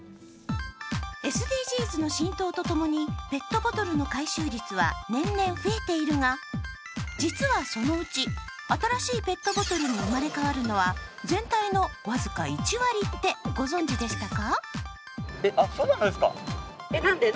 ＳＤＧｓの浸透とともにペットボトルの回収率は年々増えているが、実はそのうち、新しいペットボトルに生まれ変わるのは全体の僅か１割ってご存じでしたか。